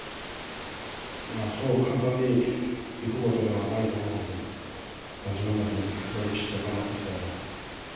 そう簡単にいくことではないと思いますので自分なりに努力して頑張っていきたいと思います。